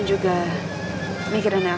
tidak ada yang bisa diberikan kepadamu